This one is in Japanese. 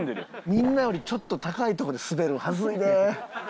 みんなよりちょっと高いとこでスベるん恥ずいで。